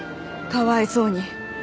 かわいそうに。